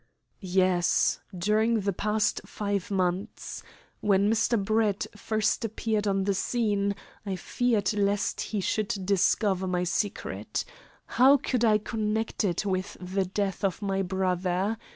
"Yes, during the past five months. When Mr. Brett first appeared on the scene, I feared lest he should discover my secret. How could I connect it with the death of my brother?